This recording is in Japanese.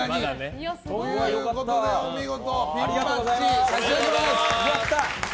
ということで、お見事ピンバッジ差し上げます。